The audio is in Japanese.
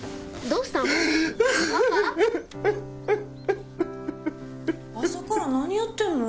どうしたの？